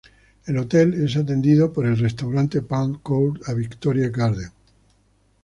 El hotel es atendido por el restaurante Palm Court and Victoria Garden.